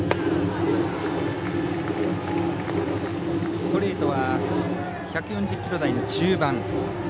ストレートは１４０キロ台中盤。